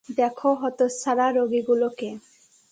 দেখো হতচ্ছাড়া রোগীগুলোকে!